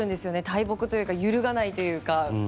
大木というか揺るがないというか。